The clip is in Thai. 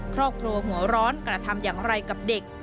ครอบครัวหัวร้อนกระทำอย่างไรกับเด็ก